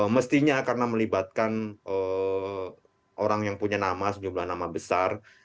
mestinya karena melibatkan orang yang punya nama sejumlah nama besar